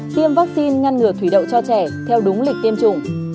tiêm vaccine ngăn ngừa thủy đậu cho trẻ theo đúng lịch tiêm chủng